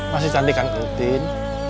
masih cantik kan kutin